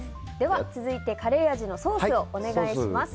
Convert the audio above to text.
続いてカレー味のソースをお願いします。